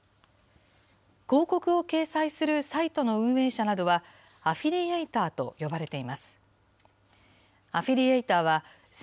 広告を掲載するサイトの運営者などは、アフィリエイターと呼ばれています。